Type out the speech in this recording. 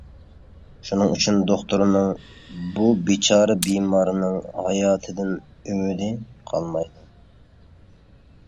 شۇنىڭ ئۈچۈن دوختۇرنىڭ بۇ بىچارە بىمارنىڭ ھاياتىدىن ئۈمىدى قالمايدۇ.